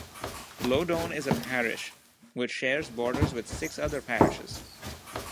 Loudoun is a parish, which shares borders with six other parishes.